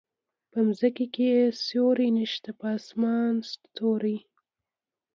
په ځمکه يې سیوری نشته په اسمان ستوری